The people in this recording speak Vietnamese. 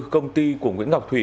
công ty của nguyễn ngọc thủy